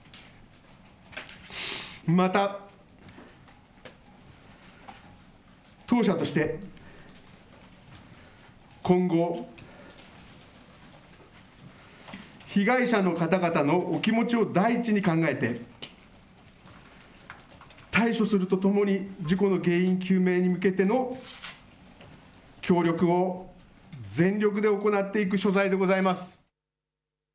また、当社として、今後、被害者の方々のお気持ちを第一に考えて、対処するとともに、事故の原因究明に向けての協力を、全力で行っていくしょざいでございます。